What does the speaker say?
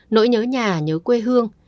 nỗi nhớ nhà nhớ quê hương